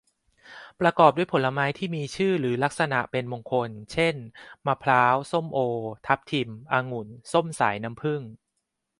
ประกอบด้วยผลไม้ที่มีชื่อหรือลักษณะเป็นมงคล เช่น มะพร้าว ส้มโอ ทับทิม องุ่น ส้มสายน้ำผึ้ง